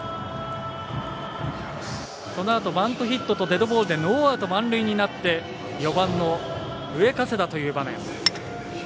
そのあとバントヒットとデッドボールでノーアウト、満塁になって４番の上加世田という場面。